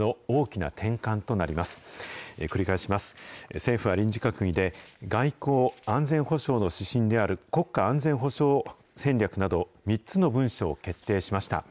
政府は臨時閣議で、外交・安全保障の指針である国家安全保障戦略など、３つの文書を決定しました。